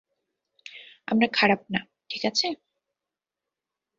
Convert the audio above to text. আমরা খারাপ না, ঠিক আছে?